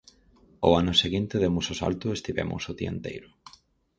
Ao ano seguinte demos o salto e estivemos o día enteiro.